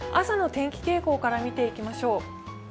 朝の天気から見ていきましょう。